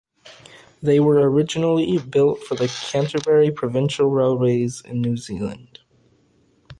They were originally built for the Canterbury Provincial Railways in New Zealand.